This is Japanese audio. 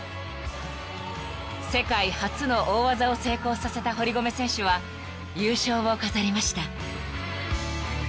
［世界初の大技を成功させた堀米選手は優勝を飾りました］